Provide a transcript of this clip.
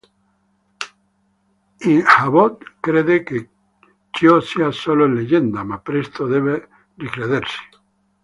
Ichabod crede che ciò sia solo leggenda, ma presto deve ricredersi.